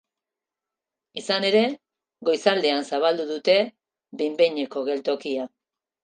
Izan ere, goizaldean zabaldu dutebehin-behineko geltokia.